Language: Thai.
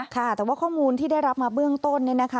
ค่ะแต่ว่าข้อมูลที่ได้รับมาเบื้องต้นเนี่ยนะคะ